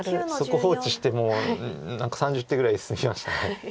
そこ放置してもう何か３０手ぐらい進みました。